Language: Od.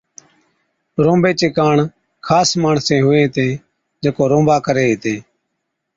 رونبي چي ڪاڻ خاص ماڻسين هُوي هِتين جڪو رونبا ڪرين هِتين۔